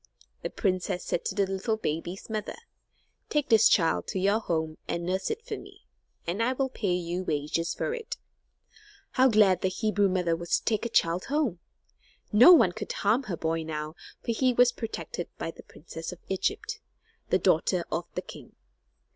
The princess said to the little baby's mother: "Take this child to your home and nurse it for me, and I will pay you wages for it." How glad the Hebrew mother was to take her child home! No one could harm her boy now, for he was protected by the princess of Egypt, the daughter of the king.